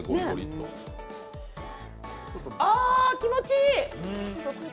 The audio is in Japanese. あー、気持ちいい！